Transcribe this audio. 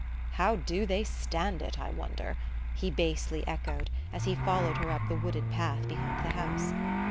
"How do they stand it, I wonder?" he basely echoed, as he followed her up the wooded path behind the house.